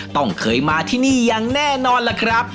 ต้องเคยมาที่นี่อย่างแน่นอนล่ะครับ